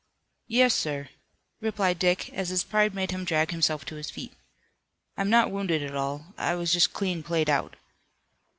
"Yes, sir," replied Dick, as his pride made him drag himself to his feet. "I'm not wounded at all. I was just clean played out."